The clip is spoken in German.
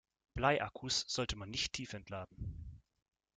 Bleiakkus sollte man nicht tiefentladen.